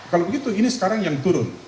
kalau begitu ini sekarang yang turun